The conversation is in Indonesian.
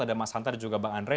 ada mas hanta dan juga bang andre